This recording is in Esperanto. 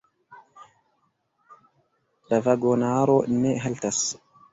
La vagonaro ne haltas.